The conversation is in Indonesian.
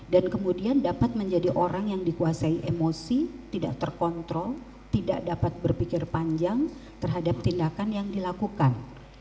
kemudian dapat menjadi orang yang dikuasai emosi tidak terkontrol tidak dapat berpikir panjang terhadap tindakan yang dilakukan